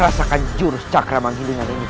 rasakan jurus cakra menghidungi nikmati yang sama